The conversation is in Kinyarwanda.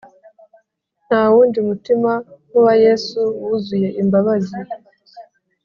Ntawundi mutima nkuwa yesu wuzuye imbabazi